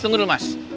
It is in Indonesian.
tunggu dulu mas